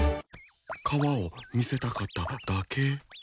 川を見せたかっただけ？